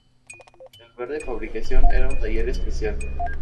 El lugar de fabricación era un taller especial.